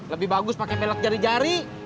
lebih bagus pakai pelak jari jari